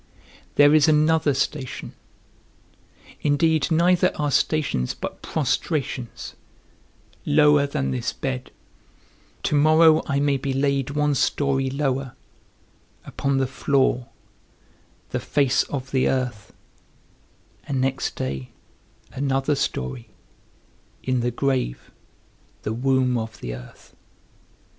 There is another station (indeed neither are stations but prostrations) lower than this bed; to morrow I may be laid one story lower, upon the floor, the face of the earth; and next day another story, in the grave, the womb of the earth.